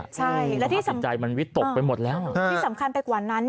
จิตใจมันวิตกไปหมดแล้วที่สำคัญไปกว่านั้น